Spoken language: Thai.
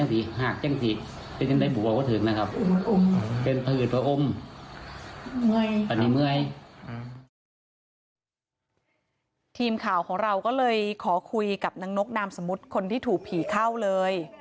ทีมข่าวของเราก็เลยขอคุยกับนางนกนามสมมุติคนที่ถูกผีเข้าเลย